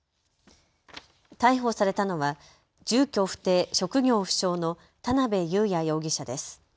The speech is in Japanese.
逮捕されたのは住居不定、職業不詳の田邉佑弥容疑者です。